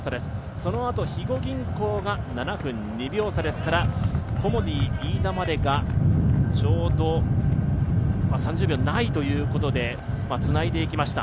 そのあと肥後銀行が７分２秒差ですからコモディイイダまでが、ちょうど３０秒ないということでつないでいきました。